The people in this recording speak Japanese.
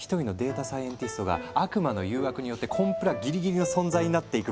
サイエンティストが悪魔の誘惑によってコンプラギリギリの存在になっていく